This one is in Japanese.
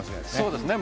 そうですね